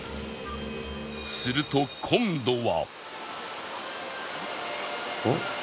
すると今度は